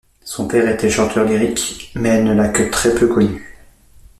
Son père était chanteur lyrique, mais elle ne l'a que très peu connu.